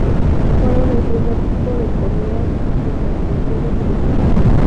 Fueron el primer tipo de correas de transmisión utilizadas.